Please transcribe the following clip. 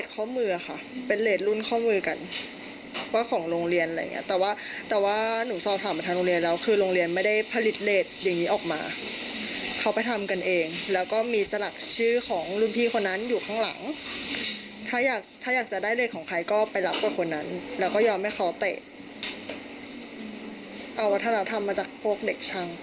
ก็ไม่ขอเตะเอาวัฒนธรรมมาจากพวกเด็กช่าง